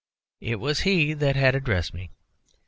It was he that had addressed me.